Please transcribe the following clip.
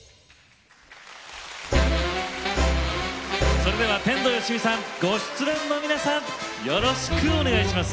それでは天童よしみさんご出演の皆さんよろしくお願いします。